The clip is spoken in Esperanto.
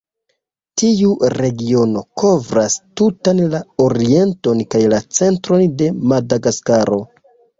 Tiu regiono kovras tutan la orienton kaj la centron de Madagaskaro.